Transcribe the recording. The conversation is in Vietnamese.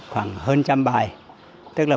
khoảng hơn trăm bài tức là